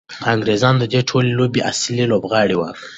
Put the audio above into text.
انګریزان د دې ټولې لوبې اصلي لوبغاړي وو.